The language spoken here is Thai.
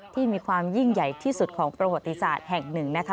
ที่มีความยิ่งใหญ่ที่สุดของประวัติศาสตร์แห่งหนึ่งนะคะ